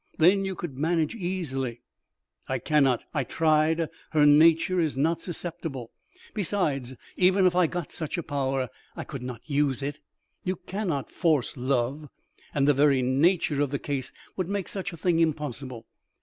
Then you could manage easily." "I cannot. I've tried; her nature is not susceptible; besides, even if I got such a power, I could not use it. You cannot force love, and the very nature of the case would make such a thing impossible.